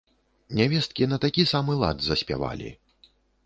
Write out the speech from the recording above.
Нявесткі на такі самы лад заспявалі.